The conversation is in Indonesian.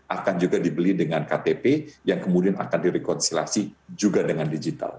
akan juga dibeli dengan ktp yang kemudian akan direkonsilasi juga dengan digital